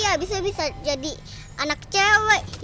abis itu bisa jadi anak cewek